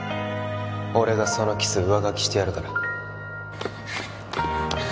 俺がそのキス上書きしてやるから